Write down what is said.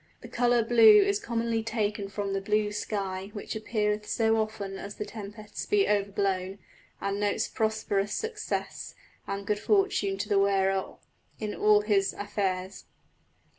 The colour blew is commonly taken from the blue skye which appeareth so often as the tempests be overblowne, and notes prosperous successe and good fortune to the wearer in all his affayres."